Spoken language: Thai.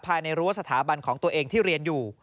รั้วสถาบันของตัวเองที่เรียนอยู่